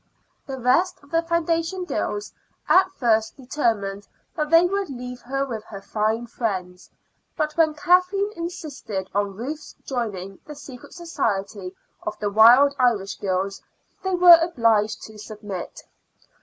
The rest of the foundation girls at first determined that they would leave her with her fine friends, but when Kathleen insisted on Ruth's joining the secret society of the Wild Irish Girls, they were obliged to submit.